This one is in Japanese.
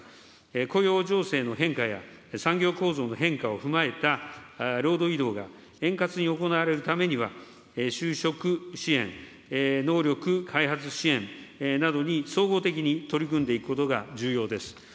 雇用情勢の変化や、産業構造の変化を踏まえた労働移動が円滑に行われるためには、就職支援、能力開発支援などに総合的に取り組んでいくことが重要です。